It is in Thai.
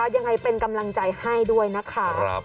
ยังไงเป็นกำลังใจให้ด้วยนะคะ